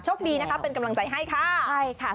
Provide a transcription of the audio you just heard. ช่วงดีนะคะเป็นกำลังใจให้ค่ะ